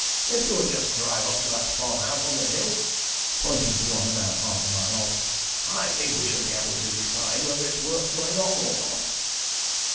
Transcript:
'If you would just drive up to that farmhouse on the hill,' pointing to one about half a mile off, 'I think we should be able to decide whether it's worth going on or not.'